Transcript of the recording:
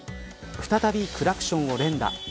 再びクラクションを連打。